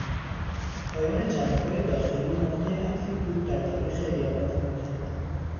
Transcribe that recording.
پایان جنگهای داخلی نقطهی عطفی بود در تاریخ ایالات متحده.